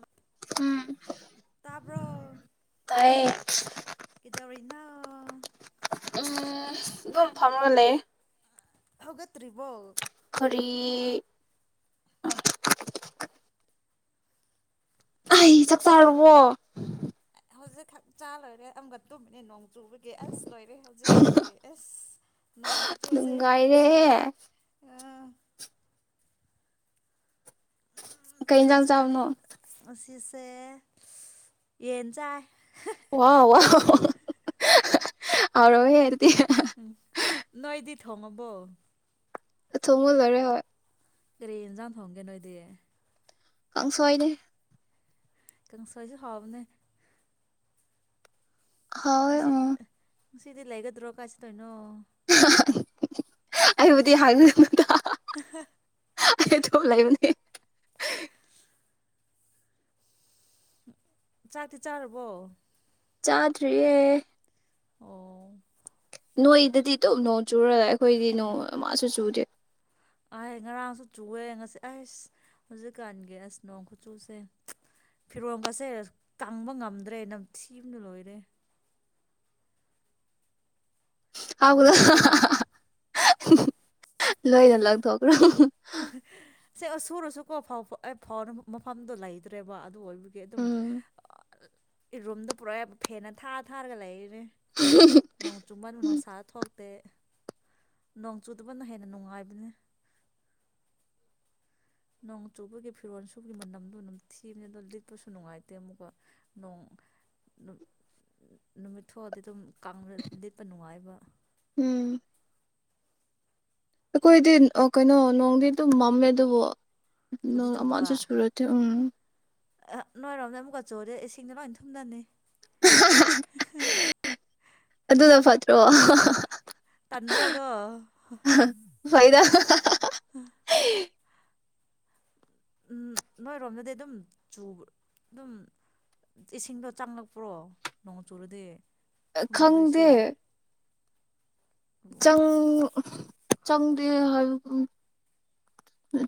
ꯑ ꯎꯝ ꯇꯥꯄ꯭ꯔꯣ ꯇꯥꯏꯌꯦ ꯀꯗ ꯅ ꯎꯝ ꯝ ꯐꯥꯎꯒ ꯂꯩ ꯍꯒꯇ꯭ꯔꯤꯔꯤꯕꯣ ꯐꯔꯤ ꯑꯩ ꯆꯥꯛ ꯆꯥꯔꯨꯕꯣ ꯍꯧꯖꯤꯁꯦ ꯈꯛ ꯆꯥ ꯂꯣꯏꯔꯦ ꯑꯃꯒꯀ ꯇꯨꯝꯕꯅꯦ ꯅꯣꯡ ꯆꯨꯕꯒꯤ ꯑꯁ ꯂꯣꯏꯔꯦ ꯍꯧꯖꯤꯛꯀꯥꯟꯒꯤ ꯑꯁ ꯅꯣꯡ ꯈꯨꯆꯨꯁꯦ ꯅꯨꯡꯉꯥꯏꯔꯦꯍꯦ ꯑ ꯀꯩ ꯏꯟꯖꯥꯡ ꯑꯗꯨꯁꯨ ꯀꯅꯦ ꯆꯥꯕꯅꯣ ꯑꯁꯤꯁꯤ ꯁꯦ ꯌꯦꯟ ꯆꯥꯏ ꯋꯥ ꯋꯥ ꯑꯔ ꯍꯥꯏꯔꯗꯤ ꯎ ꯅꯣꯏꯗꯤ ꯊꯣꯡꯉꯕꯣ ꯊꯃꯨ ꯂꯔ ꯍ ꯀꯔꯤ ꯏꯟꯖꯥꯡ ꯊꯣꯡꯒꯦ ꯅꯣꯏꯗꯤ ꯀꯪ ꯁꯋꯥꯏꯅꯦ ꯀꯪꯁꯥꯁꯤ ꯍꯥꯕꯅꯦ ꯍ ꯑꯝ ꯁꯤꯗꯤ ꯂꯩꯒꯗ꯭ꯔꯣ ꯀꯥꯏꯁꯤ ꯇꯣꯏꯩꯅꯣ [unintelligible] ꯑꯩꯕꯨꯗꯤ ꯍꯥꯡꯅꯗ ꯑꯩ ꯊ ꯂꯩꯕꯅꯦ ꯆꯥꯛꯇꯤ ꯆꯥꯔꯕꯣ ꯆꯥꯗꯔꯤꯌꯦ ꯑꯣ ꯅꯣꯏꯗꯗꯤ ꯇꯧꯅꯣ ꯆꯨꯔꯒ ꯑꯩꯈꯣꯏꯗꯤ ꯅꯣꯡ ꯃꯥꯁꯨ ꯆꯨꯗꯦ ꯑꯍ ꯉꯔꯥꯡꯁꯨ ꯆꯨꯑꯦ ꯉꯁꯤ ꯑꯩꯁ ꯍꯧꯖꯤꯛꯀꯥꯟꯒꯤ ꯑꯁ ꯅꯣꯡ ꯈꯨꯠꯆꯨꯁꯦ ꯐꯤꯔꯣꯝꯒꯁꯦ ꯇꯪꯕ ꯉꯝꯗ꯭ꯔꯦ ꯅꯝꯊꯤꯅ ꯂꯣꯏꯔꯦ ꯍꯥꯎꯗ ꯌꯥꯗ꯭ꯔꯦ ꯐꯤꯔꯣꯟꯁꯦ ꯂꯣꯏ ꯂ ꯂꯒ ꯊꯈꯔꯣ ꯎ ꯁꯦ ꯑꯣ ꯁꯨꯔꯨꯁꯨꯀꯣ ꯐꯥꯎ ꯃꯐꯝꯗꯣ ꯂꯩꯗ꯭ꯔꯦꯕ ꯑꯗꯨ ꯑꯣꯏꯕꯒꯤ ꯑꯗꯨꯝ ꯎꯝ ꯔꯨꯝꯗ ꯄꯨꯔꯥ ꯐꯦꯟꯅ ꯊꯥ ꯊꯥꯔꯒ ꯂꯩꯔꯦ ꯅꯣꯡ ꯆꯨꯝꯕꯥ ꯅꯣꯡ ꯁꯥ ꯊꯣꯛꯇꯦ ꯅꯣꯡ ꯆꯨꯗꯕꯅ ꯍꯦꯟꯅ ꯅꯨꯡꯉꯥꯏꯕꯅꯤ ꯅꯣꯡ ꯆꯨꯕꯒꯤ ꯐꯤꯔꯣꯜ ꯁꯨꯕꯒꯤ ꯃꯅꯝꯗꯣ ꯑꯗꯨꯝ ꯊꯤꯕꯅꯤ ꯑꯗꯣ ꯂꯤꯠꯄꯁꯨ ꯅꯨꯡꯉꯥꯏꯇꯦ ꯑꯃꯨꯛꯀ ꯅꯣꯡ ꯅꯨꯃꯤꯠ ꯊꯣꯛꯑꯗꯤ ꯑꯗꯨꯝ ꯂꯤꯠꯄ ꯅꯨꯡꯉꯥꯏꯕ ꯎꯝ ꯑꯩꯈꯣꯏꯗꯤ ꯀꯩꯅꯣ ꯅꯣꯡꯗꯤ ꯑꯗꯨꯝ ꯃꯝꯃꯦ ꯑꯗꯨꯕꯨ ꯃꯖꯩ ꯁꯨꯔꯗꯤꯦ ꯎꯝ ꯑ ꯅꯣꯏꯔꯣꯝꯗ ꯑꯃꯨꯛꯀꯆꯣꯗ ꯏꯁꯤꯡꯗ ꯂꯣꯏ ꯊꯨꯝꯗꯅꯤ ꯑꯗꯨꯗ ꯐꯠꯇ꯭ꯔꯣ ꯋꯥ ꯇꯟ꯭ꯔꯣꯗꯣ ꯐꯩꯗ ꯅꯣꯏꯔꯣꯝꯗꯗꯤ ꯑꯗꯨꯝ ꯑꯗꯨꯝ ꯏꯁꯤꯡꯗꯣ ꯆꯪꯂꯛꯄ꯭ꯔꯣ ꯅꯣꯡ ꯆꯨꯔꯗꯤ ꯊꯨꯝꯕꯗꯣ ꯈꯪꯗꯦ ꯏꯁꯤꯡ ꯆꯪ ꯆꯪꯗꯤ ꯍꯥꯏꯕꯒꯨꯝ꯫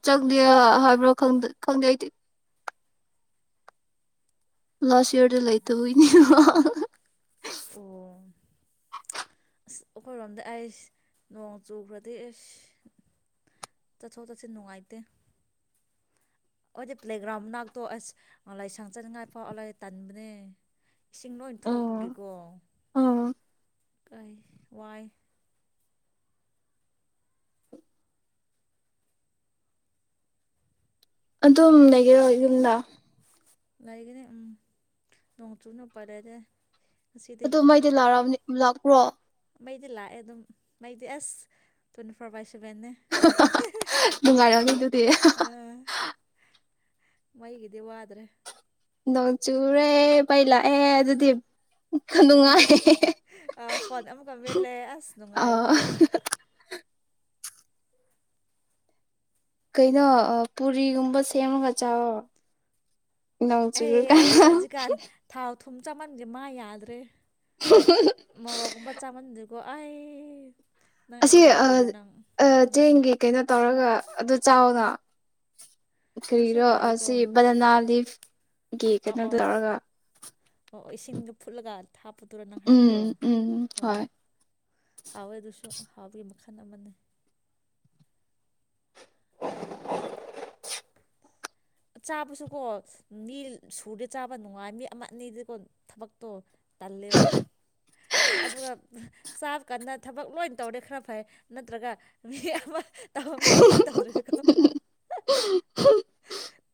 ꯆꯪꯗꯦ ꯍꯥꯏꯕ꯭ꯔꯣ꯫ ꯈꯪꯗꯦ-ꯈꯪꯗꯦ ꯑꯩꯗꯤ꯫ ꯂꯥꯁ ꯏꯌꯔꯗ ꯂꯩꯇꯕꯩꯅꯤ꯫ ꯑꯣ ꯑꯁ ꯑꯩꯈꯣꯏꯔꯣꯝꯗ ꯑꯩꯁ ꯅꯣꯡ ꯆꯨꯈ꯭ꯔꯗꯤ ꯑꯦꯁ ꯆꯠꯊꯣꯛ ꯇꯠꯁꯤꯟ ꯅꯨꯡꯉꯥꯏꯇꯦ꯫ ꯑꯩꯈꯣꯏꯒꯤ ꯄ꯭ꯂꯦꯒ꯭ꯔꯥꯎꯟ ꯃꯅꯥꯛꯇꯣ ꯑꯁ ꯂꯥꯏꯁꯪ ꯆꯅꯤꯡꯉꯥꯏ ꯐꯥꯎ ꯐꯧꯂꯦ ꯇꯟꯕꯅꯦ ꯏꯁꯤꯡ ꯂꯣꯏ ꯑꯣ ꯊꯣꯛꯄꯒꯤꯀꯣ ꯑꯣ ꯀꯩ ꯋꯥꯏ꯫ ꯑꯗꯨꯝ ꯂꯩꯒꯤꯔꯣ ꯌꯨꯝꯗ꯫ ꯂꯩꯒꯅꯦ ꯎꯝ ꯅꯣꯡ ꯆꯨꯅ ꯄꯔꯦꯗꯦ꯫ ꯑꯗꯨ ꯃꯩꯗꯤ ꯂꯛꯑꯝꯅꯤ ꯂꯥꯛꯄ꯭ꯔꯣ꯫ ꯃꯩꯗꯤ ꯂꯥꯛꯑꯦ ꯑꯗꯨꯝ ꯃꯩꯗꯤ ꯑꯁ ꯇꯨꯜꯇꯤꯐꯣꯔ ꯕꯥꯏꯁ꯫ ꯅꯨꯪꯉꯥꯏꯔꯝꯅꯤ ꯗꯨꯗꯤ ꯫ ꯑ ꯃꯩꯒꯤꯗꯤ ꯋꯥꯗ꯭ꯔꯦ꯫ ꯅꯣꯡ ꯆꯨꯔꯨꯔꯦ ꯃꯩꯂꯛꯑꯦ ꯑꯗꯨꯗꯤ꯫ ꯅꯨꯡꯉꯥꯏ ꯑ ꯐꯣꯟ ꯑꯃꯨꯛꯀ ꯃꯂꯦ ꯑꯁ ꯑ ꯅꯨꯡꯉꯥꯏꯕꯗꯣ꯫ ꯀꯩꯅꯣ ꯄꯨꯔꯤꯒꯨꯝꯕ ꯁꯦꯝꯃꯒ ꯆꯥꯑꯣ꯫ ꯅꯣꯡ ꯆꯨꯏ꯫ ꯆꯥꯃꯟꯃꯩ ꯃꯥꯏ ꯌꯥꯗ꯭ꯔꯦ꯫ ꯃꯨꯔꯣꯛ ꯀꯨꯝꯕ ꯆꯥ ꯃꯟꯕꯩ꯫ ꯥꯏ꯫ ꯑꯁꯤ ꯑ ꯈꯪꯒꯅꯤ ꯆꯦꯡꯒꯤ ꯑ ꯀꯩꯅꯣ꯫ ꯇꯧꯔꯒ ꯑꯗꯨ ꯆꯥꯎꯅ꯫ ꯑꯗꯨꯁꯨ ꯀꯔꯤꯔꯣ ꯍꯥꯎꯋꯤꯀꯣ ꯑꯁꯤ ꯕꯅꯅꯥ ꯂꯤꯐꯀꯤ ꯀꯩꯅꯣꯗ ꯇꯧ꯫ ꯑꯣ-ꯑꯣ ꯏꯁꯤꯡꯗ ꯐꯨꯠꯂꯒ꯫ ꯍꯞꯄ ꯇꯨꯔꯅ ꯎꯝ ꯍꯥꯏꯕꯗꯣ ꯎꯝ ꯑꯣ ꯍꯣꯏ ꯍꯥꯎꯋꯦ ꯑꯗꯨꯁꯨ꯫ ꯍꯥꯎꯕꯒꯤ ꯃꯈꯜ ꯑꯃꯅꯤꯅꯦ꯫ [inaudible] ꯆꯥꯕꯁꯨꯀꯣ ꯃꯤ ꯁꯨꯔꯗꯤ ꯆꯥꯕ ꯅꯨꯡꯉꯥꯏ ꯃꯤ ꯑꯃ ꯑꯅꯤꯗꯤꯀꯣ ꯊꯕꯛꯇꯣ꯫ ꯇꯜꯂꯤꯕ ꯑꯗꯨꯒ꯫ ꯆꯥꯕ ꯀꯟꯗ ꯊꯕꯛ ꯂꯣꯏ ꯇꯧꯔꯦ ꯈꯔ ꯐꯩ ꯅꯠꯇ꯭ꯔꯒ ꯃꯤ ꯑꯃ꯫ ꯇꯧꯕꯅꯤ ꯑꯃ ꯇꯧꯗ꯭ꯔꯁꯨꯀꯣ꯫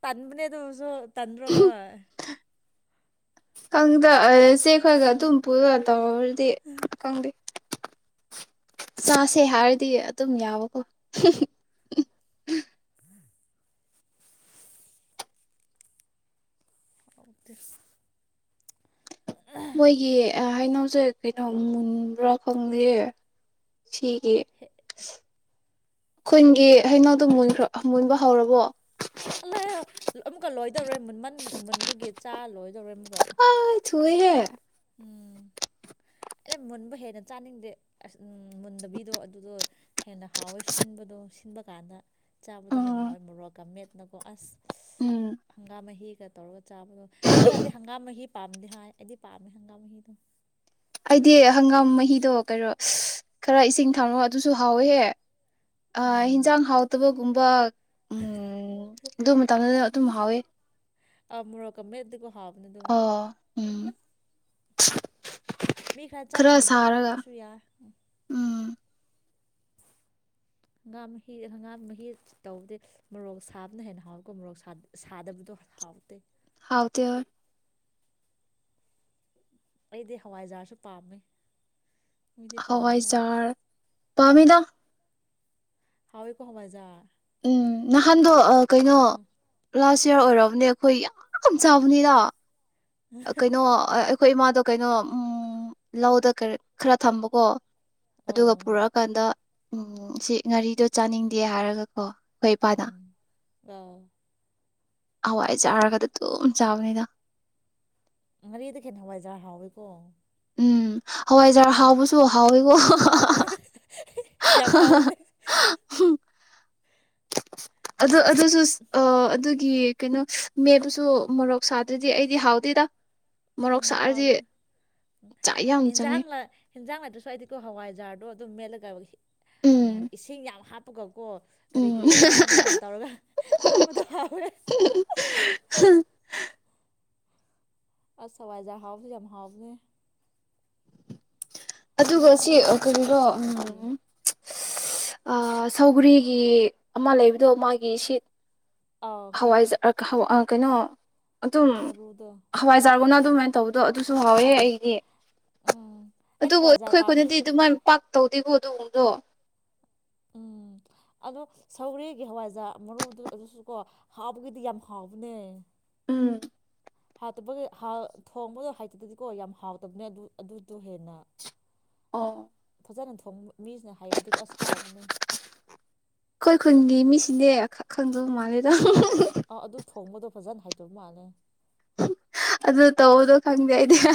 ꯅꯨꯡꯉꯥꯏꯕꯅꯤ ꯗꯨꯁꯨ꯫ ꯇꯟꯗ꯭ꯔꯣ ꯅꯣꯏ꯫ ꯈꯪꯗꯦ ꯑꯩ ꯆꯦ ꯈꯣꯏꯒ ꯑꯗꯨꯝ ꯄꯨꯔ ꯇꯧꯕꯅꯤꯅ ꯫ ꯑꯗꯨꯗꯤ ꯈꯪꯗꯦ꯫ ꯆꯥꯁꯦ ꯍꯥꯏꯔꯗꯤ ꯑꯗꯨꯝ ꯌꯥꯎꯋꯀꯣ꯫ ꯑꯗꯤ [inaudible] ꯑꯦ ꯍꯩꯅꯧꯁꯦ ꯀꯩꯅꯣ ꯃꯨꯟꯕ꯭ꯔꯥ ꯈꯪꯗꯦꯌꯦ ꯁꯤ꯫ ꯌꯦ ꯍꯦ ꯑꯩꯣꯏꯟꯒꯤ ꯍꯩꯅꯧꯗꯣꯈ꯭ꯔ ꯃꯣꯏꯟꯕ ꯍꯧꯔꯕꯣ ꯑꯂ ꯑꯃꯨꯛꯀ ꯂꯣꯏꯗꯧꯔꯦ ꯃꯃꯥꯟꯕꯒꯦ ꯆꯥ ꯂꯣꯏꯗꯧꯔꯦ ꯕ ꯊꯨꯏ ꯍꯥꯏꯦ ꯑꯦ ꯃꯨꯟꯕ ꯍꯦꯟꯅ ꯆꯥꯅꯤꯡꯗꯦ ꯑꯁ ꯎ ꯃꯨꯟꯗꯕꯤꯗꯣ ꯑꯗꯨꯗꯣ ꯍꯦꯟꯅ ꯍꯥꯎꯋꯦ ꯁꯤꯟꯕꯗꯣ ꯁꯤꯟꯕ ꯀꯥꯟꯅ ꯆꯥꯕꯗꯣ ꯍꯦꯟꯅ ꯎꯝ ꯍꯥꯎꯋꯦ ꯃꯣꯔꯣꯛꯀ ꯃꯦꯠ ꯅꯀꯣ ꯑꯁ ꯎꯝ ꯍꯪꯒꯥꯝ ꯍꯒ ꯇꯧ ꯆꯕꯣ ꯃꯤ ꯈꯔꯗꯤ ꯍꯪꯒꯥꯝꯍꯤ ꯄꯝꯗ ꯍꯥꯏ ꯍꯥꯏꯗꯤ ꯄꯝ ꯃꯒꯥ ꯃꯏꯗ ꯑꯩꯗꯤ ꯍꯪꯒꯥꯝ ꯃꯍꯤꯗꯣ ꯀꯩꯅꯔꯣ ꯈꯔ ꯏꯁꯤꯡ ꯊꯥꯎꯔꯛ ꯑꯗꯨꯁꯨ ꯍꯥꯎꯋꯦꯍꯦ ꯑ ꯎꯝ ꯍꯤꯟꯖꯥꯡ ꯍꯥꯎ ꯇꯕꯣ ꯀꯨꯝꯕ ꯎꯝ ꯑꯗꯨ ꯃ ꯑꯗꯨ ꯍꯋꯦ ꯃꯀꯝ ꯑꯗꯨ ꯑꯣ ꯎꯝ [inaudible] ꯃꯤ ꯈꯔ ꯆꯥꯅꯤꯡꯗꯕ ꯃꯁꯨ ꯌꯥꯔ ꯎꯝ ꯍꯪꯒꯥꯝ ꯃꯍꯤ ꯍꯪꯒꯥꯝ ꯃꯍꯤ ꯇꯧꯗꯦ ꯃꯣꯔꯣꯛ ꯁꯥꯕꯅ ꯍꯦꯟꯅ ꯍꯥꯎꯋꯦꯀꯣ ꯃꯔꯣꯔꯣꯛ ꯁꯥꯗꯕꯗꯣ ꯍꯥꯎꯇꯦ ꯍꯥꯎ ꯇ° ꯍ ꯑꯩꯗꯤ ꯍꯋꯥꯏꯖꯥꯔꯁꯨ ꯄꯥꯝꯃꯤ ꯃꯤꯗꯤ ꯄꯥꯝꯗꯦ ꯍꯥꯏ ꯄꯥꯃꯤꯗꯥ ꯍꯥꯎꯋꯦꯀꯣ ꯍꯕꯖꯥ ꯎꯝ ꯅ ꯍꯥꯟꯗꯣ ꯀꯩꯅꯣ ꯎꯝ ꯂꯥꯁ ꯌꯔ ꯑꯣꯏꯔꯕꯅꯦ ꯑꯩꯈꯣꯏ ꯌꯥꯝ ꯆꯥꯕꯅꯤꯗ ꯀꯩꯅꯣ ꯑꯩꯈꯣꯏ ꯏꯃꯥꯗꯣ ꯀꯩꯅꯣ ꯂꯧꯗ ꯈꯔ ꯊꯝꯕꯀꯣ ꯑꯗꯨꯒ ꯑꯣ ꯄꯨꯔꯛꯑꯀꯥꯟꯗ ꯎꯝ ꯁꯤ ꯉꯒꯥꯥꯔꯤꯗꯣ ꯆꯥꯅꯤꯡꯗꯦ ꯍꯥꯏꯔꯒ ꯀꯣ ꯀꯩꯄꯗꯥ ꯑ ꯍꯋꯥꯏ ꯆꯥꯔꯒꯗꯤ ꯑꯗꯨꯝ ꯆꯥꯕꯅꯤꯗ ꯉꯥꯔꯤꯗꯒꯤ ꯍꯋꯥꯏꯖꯥꯔ ꯍꯥꯎꯋꯏꯀꯣ ꯎꯝ ꯍꯋꯥꯏꯖꯥꯔ ꯍꯥꯎꯕꯁꯨ ꯍꯥꯎꯋꯦꯀꯣ ꯎ ꯌꯥꯝ ꯐꯥꯎꯅ ꯑꯗ ꯑꯗꯨꯁꯨ ꯑ ꯑꯗꯨ ꯀ ꯀꯩꯅꯣ ꯃꯦꯕꯨꯁꯨ ꯃꯣꯔꯣꯛ ꯁꯥꯗ꯭ꯔꯗꯤ ꯑꯩꯗꯤ ꯍꯥꯎꯗꯦꯗ ꯃꯣꯔꯣꯛ ꯎꯝ ꯁꯥꯔꯗꯤ ꯍꯥꯎꯕꯅꯦ ꯆꯥꯛ ꯌꯥꯝ ꯆꯪꯉꯤ ꯍꯤꯟꯖꯥꯡ ꯍꯥꯏꯗꯨꯁꯨ ꯑꯩꯗꯤꯀꯣ ꯍꯋꯥꯏꯖꯥꯔꯗꯣ ꯑꯗꯨꯝ ꯃꯦꯠꯂꯒ ꯎꯝ ꯏꯁꯤꯡ ꯌꯥꯝ ꯍꯥꯞ ꯄꯨꯛ ꯀꯣ ꯀꯔꯤ ꯎꯝ ꯀꯔꯤ ꯃꯅꯥꯅꯣ ꯇꯧꯔꯒ ꯇꯣꯠꯄꯗꯣ ꯐꯥꯎ꯭ꯔꯦ ꯑ ꯍꯥꯋꯥꯏꯖꯔ ꯍꯥꯎꯕꯖꯦ ꯌꯥꯝ ꯍꯥꯎꯕꯅꯦ ꯑꯗꯨꯒ ꯍꯪꯒꯥꯝ ꯁꯤ ꯃꯔꯨ ꯀꯔꯤꯅꯣ ꯑꯥ ꯀꯔꯤ ꯁꯧꯒ꯭ꯔꯤꯒꯤ ꯑꯃ ꯂꯩꯕꯗꯣ ꯃꯥꯒꯤ ꯁꯤꯠ ꯑꯥꯎ ꯈꯪꯉꯦ ꯍꯋꯥꯏꯖ ꯍ ꯀꯩꯅꯣ ꯑꯗꯨꯝ ꯃꯔꯨꯗꯣ ꯍꯋꯥꯏꯖꯥꯔꯒꯅ ꯑꯗꯨ ꯃ ꯇꯧ ꯑꯗꯣ ꯑꯗꯨꯁꯨ ꯍꯥꯎꯋꯦ ꯑꯥꯎ ꯑꯩꯗꯤ ꯎꯝ ꯑꯩꯗꯤ ꯑꯗꯨꯕꯨ ꯍꯋꯥꯏꯖꯥꯔ ꯑꯩꯈꯣꯏ ꯄꯥꯝꯃꯦ ꯈꯨꯅꯗꯤ ꯑꯗꯨꯃꯥꯏꯅ ꯄꯥꯛ ꯇꯧꯗꯦꯀꯣ ꯑꯗꯨꯗꯣ ꯎꯝ ꯑꯗꯣ ꯁꯧꯔꯦꯒꯤ ꯍꯋꯥꯏꯖꯥ ꯃꯔꯣꯗꯨ ꯑꯗꯨꯁꯨ ꯀꯣ ꯍꯥꯎꯕꯒꯤꯗꯤ ꯌꯥꯝ ꯍꯥꯎꯕꯅꯦ ꯎꯝ ꯍꯥꯇꯕꯒꯤ ꯊꯣꯡꯕꯗꯣ ꯍꯩꯇꯗꯗꯤꯀꯣ ꯌꯥꯝ ꯍꯥꯎꯇꯕꯅꯦ ꯑꯗꯨꯗꯣ ꯍꯦꯟꯅ ꯑꯣ ꯖꯒ ꯊꯣꯡ ꯃꯤꯁꯤꯅ ꯍꯥꯏꯕꯗꯨꯕꯨ ꯑꯁꯥꯎꯕꯅꯦ ꯑꯩꯈꯣꯏ ꯈꯨꯟꯒꯤ ꯃꯤꯁꯤꯅꯦꯈꯛ ꯈꯪꯗꯧ ꯃꯥꯜꯂꯦꯗ ꯑ ꯑꯗꯨ ꯊꯣꯡꯕꯗꯣ ꯐꯖꯅ ꯍꯥꯏꯗꯧ ꯃꯥꯜꯂ ꯑꯗꯨꯗ ꯇꯧꯗꯣ ꯀ ꯈꯪꯗꯦ ꯏꯗ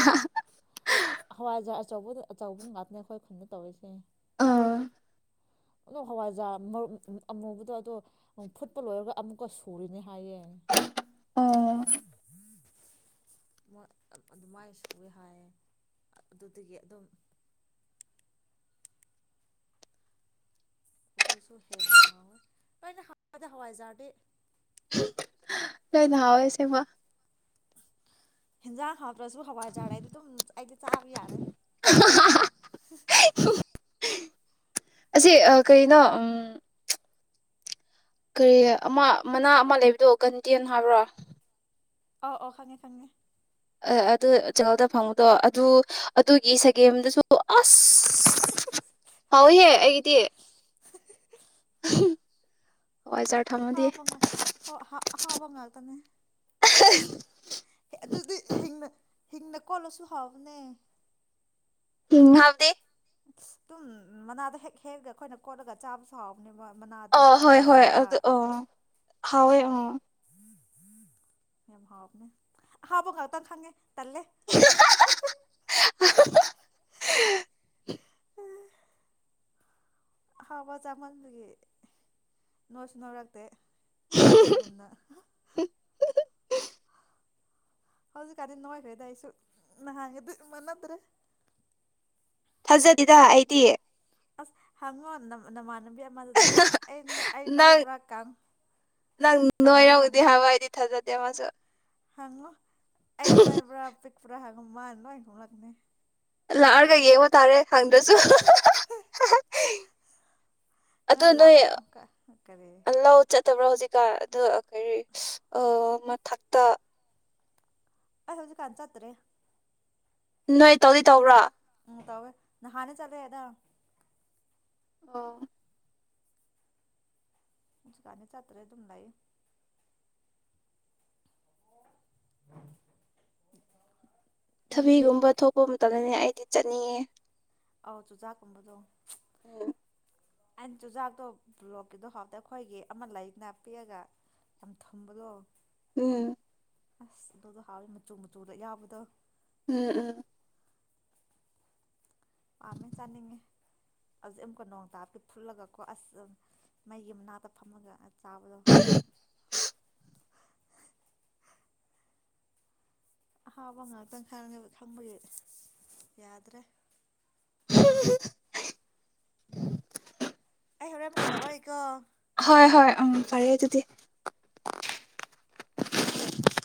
ꯑꯆꯧꯕꯗ ꯑꯆꯧꯕ ꯉꯥꯛꯅꯦ ꯑꯩꯈꯣꯏ ꯈꯨꯟꯅ ꯇꯧꯔꯤꯁꯦ ꯑꯥ꯫ ꯑꯗꯨ ꯍꯋꯥꯏꯖꯥ ꯑꯃꯨꯕꯗꯣ ꯑꯗꯣ ꯐꯨꯠꯄ ꯂꯣꯏꯔꯒ ꯑꯃꯨꯛꯀ ꯁꯨꯔꯤꯅꯦ ꯍꯥꯏꯌꯦ ꯑꯣ ꯑꯗꯨꯃꯥꯏꯅ ꯁꯨꯏꯦ ꯍꯥꯏꯌꯦ ꯑꯗꯨꯗꯒꯤ ꯑꯗꯨꯝ ꯁꯨ ꯍꯦꯟꯅꯥ ꯍꯥꯎ ꯋꯦ ꯂꯣꯏꯅꯥ ꯍꯥꯑꯣꯏꯗ ꯍꯑꯋꯥꯏꯖꯔꯗꯤ꯫ ꯂꯣꯏꯅꯥ ꯍꯥꯎꯏ ꯑꯁꯦꯡꯕ꯫ ꯍꯤꯖꯥꯡ ꯍꯥꯞ ꯁꯨ ꯍꯋꯥꯏ ꯂꯩꯔꯗꯤ ꯗꯨꯝ ꯆꯥꯕ ꯌꯥꯔꯦ꯫ ꯑꯁꯤ ꯀꯩꯅꯣ ꯀꯔꯤ ꯑꯃ ꯃꯅꯥ ꯑꯃ ꯂꯩꯕꯗꯣ ꯀꯟꯗꯦꯅ ꯍꯥꯏꯕ꯭ꯔꯣ ꯑ ꯑꯣ ꯈꯪꯉꯦ - ꯈꯪꯉꯦ꯫ ꯑꯗꯨ ꯆꯉꯜꯗ ꯐꯪꯉꯨꯗꯣ ꯑꯗꯨ ꯑꯗꯨꯒꯤ ꯁꯒꯦꯝꯗꯨꯁꯨ ꯑꯁ ꯍꯥꯎꯏꯍꯦ ꯑꯩꯒꯤꯗꯤ ꯍꯣꯏ ꯖꯥꯔ ꯊꯝꯃꯗꯤ ꯐꯕ ꯉꯥꯛꯇꯅꯦ ꯍꯤꯡꯅꯀꯣꯂꯣꯁꯨ ꯍꯕꯅꯦ ꯎꯝ ꯍꯥꯥꯎꯇꯦ꯫ ꯇꯨꯝ ꯃꯅꯥꯗ ꯍꯦꯛ ꯍꯦꯛꯑ ꯑꯩꯈꯣꯏꯅ ꯀꯣꯠꯂꯒ ꯆꯥꯕꯁꯨ ꯍꯥꯎꯕꯅꯦꯕ꯫ ꯑ ꯃꯅꯥꯗꯣ ꯍꯣꯏ- ꯍꯣꯏ ꯍꯋꯥꯏꯖꯥꯔꯗ ꯑꯗꯨ ꯑ ꯍꯥꯎꯏ ꯎꯝ꯫ ꯍꯥꯎꯕꯅꯦ ꯑꯍꯥꯎꯕ ꯉꯥꯛꯇ ꯈꯥꯡꯉꯦ ꯇꯜꯂꯦ [unintelligible] ꯑꯍꯥꯎꯕ ꯆꯥꯃꯟꯕꯒꯤ ꯅꯣꯢꯁꯨ ꯅꯣꯏꯔꯛꯇꯦ ꯃꯤ ꯒꯨꯝꯅ ꯍꯧꯖꯤꯛꯀꯥꯟꯗꯤ ꯅꯣꯏꯈꯔ꯭ꯦꯗꯥ ꯑꯩꯁꯨ ꯅꯥꯍꯟꯒꯗꯤ ꯃꯅꯤꯗ꯭ꯔꯦ꯫ ꯊꯖꯗꯦꯗ ꯑꯩꯗꯤ ꯑꯁ ꯍꯪ ꯉꯣ ꯅꯥꯃꯥ ꯅꯥꯃꯟ ꯍꯥꯟꯅꯕꯤ ꯑꯃꯗꯨꯗ ꯑꯩ ꯑꯩ ꯅꯪ ꯅꯣꯏꯕ꯭ꯔꯥ ꯀ ꯅꯪ ꯀꯪꯕ꯭ꯔꯥ ꯅꯣꯏꯔꯝꯒꯅꯤ ꯍꯪꯉꯨ ꯫ ꯍꯥꯏꯕ [unintelligible] ꯍꯪꯉꯣ ꯑꯩ ꯅꯣꯏꯕꯔꯥ ꯄꯤꯛꯄ꯭ꯔ ꯍꯥꯏ [unintelligible] ꯂꯥꯛꯑꯒ ꯌꯦꯡꯕ ꯇꯥꯔꯦ ꯍꯪꯗꯔ꯭ꯁꯨ ꯅꯣꯏ ꯂꯥꯕꯗ ꯀ ꯀꯔꯤ ꯐꯠꯇꯕ꯭ꯔꯥ ꯍꯧꯖꯤꯛꯀꯥꯟ ꯑ ꯀꯔꯤ ꯃꯊꯛꯇ ꯑꯩ ꯍꯧꯖꯤꯛ ꯀꯥꯟ ꯆꯠꯇꯔꯦ꯫ ꯅꯣꯏ ꯇꯧꯗꯤ ꯇꯧꯕ꯭ꯔꯣ? ꯇꯋꯦ ꯅꯍꯥꯅꯦ ꯆꯂꯦ ꯑꯦꯗ ꯫ ꯑꯣ꯫ ꯍꯧꯁꯨꯀꯥꯟꯅꯤ ꯆꯥꯠꯇꯔꯦ ꯑꯗꯨꯝ ꯂꯩ ꯎꯝ꯫ ꯊꯕꯤꯒꯨꯝꯕ ꯊꯣꯛꯄ ꯃꯇꯝꯗꯅꯦ ꯑꯩ ꯗꯤ ꯆꯠꯅꯤꯡꯑꯦ ꯑꯧ ꯆꯨꯖꯥꯛꯀꯨꯝꯕꯗꯣ ꯎ ꯑꯩꯅ ꯆꯨꯖꯥꯛꯇꯣ ꯕ꯭ꯂꯣꯛꯀꯤꯗꯣ ꯍꯥꯎꯇ ꯑꯩꯈꯣꯏꯒꯤ ꯑꯃ ꯂꯥꯏꯔꯤꯛ ꯅꯥ ꯄꯤꯑꯒ ꯌꯥꯝ ꯊꯨꯝꯕꯗꯣ ꯎꯝ ꯑꯁ ꯑꯗꯨꯗꯣ ꯍꯥꯎꯋꯤ ꯃꯆꯨ ꯃꯆꯨꯗꯣ ꯌꯥꯕꯗꯣ ꯎꯝ ꯎꯝ ꯄꯥꯝꯃꯦ ꯆꯥꯅꯤꯡꯉꯦ ꯍꯧꯖꯤꯛ ꯑꯃꯨꯛꯀ ꯅꯣꯡ ꯇꯥꯞꯀꯤ ꯐꯨꯠꯂꯒ ꯀꯣ ꯑꯁ ꯃꯩꯒꯤ ꯃꯅꯥꯛꯇ ꯐꯝꯃꯒ ꯆꯥꯕꯗ ꯑꯍꯥꯕ ꯉꯥꯛꯇꯪ ꯈꯪꯕꯒꯤ ꯌꯥꯗ꯭ꯔꯦ [inaudible] ꯑꯩ ꯍꯣꯔꯦꯟ ꯑꯃꯨꯛꯀ ꯇꯧꯔꯛꯏꯀꯣ ꯍ ꯍ ꯎ ꯄꯔꯦ ꯑꯗꯨꯗꯤ